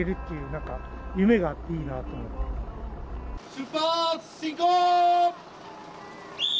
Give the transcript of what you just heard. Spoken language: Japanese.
出発進行。